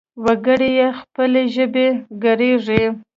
وګړي يې پر خپلې ژبې ګړيږي.